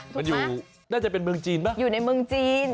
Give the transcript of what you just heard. มันอยู่น่าจะเป็นเมืองจีนป่ะอยู่ในเมืองจีน